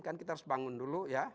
kan kita harus bangun dulu ya